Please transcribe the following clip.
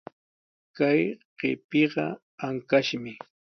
Kay qipiqa ankashmi.